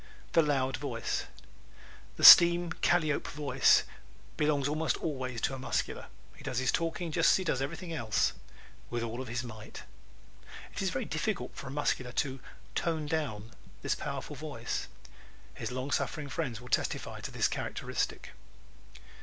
The Loud Voice ¶ The "steam calliope voice" belongs almost always to a Muscular. He does his talking just as he does everything else with all his might. It is very difficult for the Muscular to "tone down" this powerful voice. His long suffering friends will testify to this characteristic.